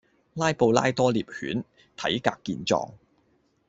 拉布拉多獵犬體格健壯